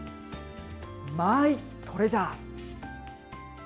マイトレジャー。